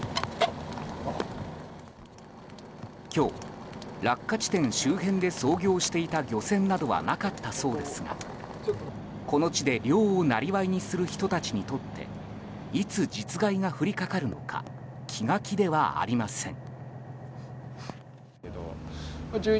今日、落下地点周辺で操業していた漁船などはなかったそうですがこの地で漁をなりわいにする人たちにとっていつ実害が降りかかるのか気が気ではありません。